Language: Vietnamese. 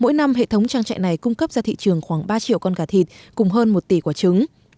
mỗi năm hệ thống trang trại này cung cấp ra thị trường khoảng ba triệu con gà thịt cùng hơn một tỷ quả trứng